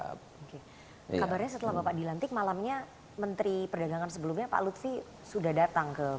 kabarnya setelah bapak dilantik malamnya menteri perdagangan sebelumnya pak lutfi sudah datang ke